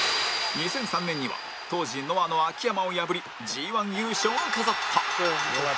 ２００３年には当時ノアの秋山を破り Ｇ１ 優勝を飾った